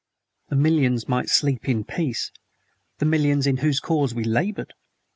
The millions might sleep in peace the millions in whose cause we labored!